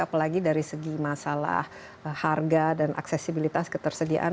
apalagi dari segi masalah harga dan aksesibilitas ketersediaan